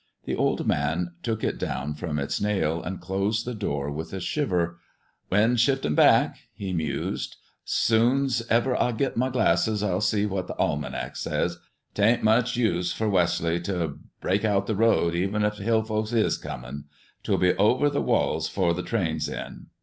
The old man took it down from its nail, and closed the door with a shiver. "Wind's shiftin' back," he mused. "Soon's ever I git my glasses I'll see what the almanac says. 'T ain't much use fer Wesley to break out the road, even 'f the Hill folks is comin'. 'Twill be over the walls 'fore the train's in."